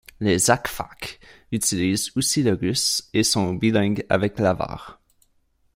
Les Akhvakhs utilisent aussi le russe et sont bilingues avec l'avar.